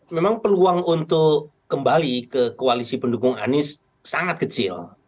memang peluang untuk kembali ke koalisi pendukung anies sangat kecil